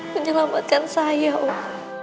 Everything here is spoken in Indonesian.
menyelamatkan saya om